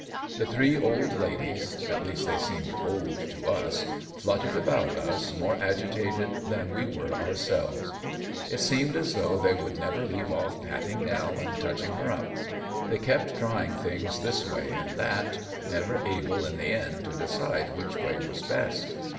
The three old ladies at least they seemed old to us fluttered about us, more agitated than we were ourselves. It seemed as though they would never leave off patting Nell and touching her up. They kept trying things this way and that, never able in the end to decide which way was best.